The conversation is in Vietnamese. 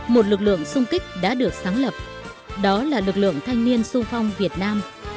một lực lượng sung kích đã được sáng lập đó là lực lượng thanh niên sung phong việt nam